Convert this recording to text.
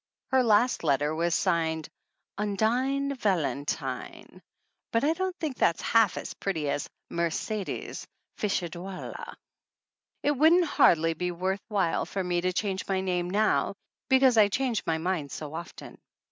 Her last letter was signed "Undine Valentine," but I don't think that's half as pretty as Mercedes Ficediola. It wouldn't hardly be worth while for me to change my name now, because I change my mind so often.